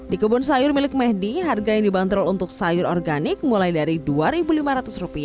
di kebun sayur milik mehdi harga yang dibanderol untuk sayur organik mulai dari rp dua lima ratus